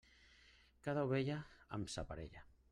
Cada ovella amb sa parella.